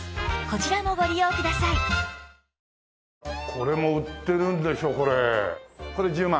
これも売ってるんでしょ１０万？